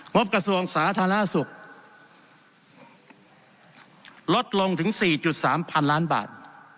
บกระทรวงสาธารณสุขลดลงถึง๔๓๐๐๐ล้านบาท